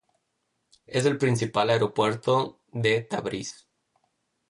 Es el principal aeropuerto de Tabriz.